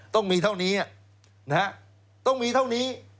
ต้องมีเท่านี้ต้องมีเท่านี้